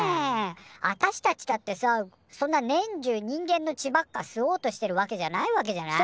あたしたちだってさそんな年中人間の血ばっか吸おうとしているわけじゃないわけじゃない。